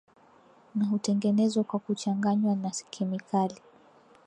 na hutengenezwa kwa kuchanganywa na kemikali